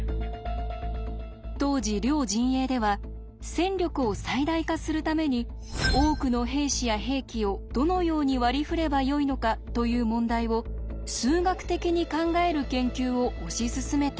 当時両陣営では戦力を最大化するために多くの兵士や兵器をどのように割り振ればよいのかという問題を数学的に考える研究を推し進めていました。